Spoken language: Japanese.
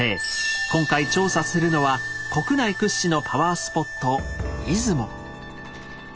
今回調査するのは国内屈指のパワースポット